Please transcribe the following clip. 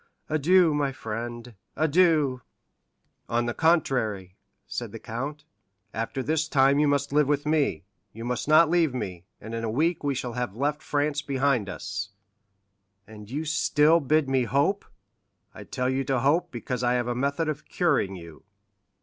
Adieu, my friend, adieu!" "On the contrary," said the count, "after this time you must live with me—you must not leave me, and in a week we shall have left France behind us." "And you still bid me hope?" "I tell you to hope, because I have a method of curing you."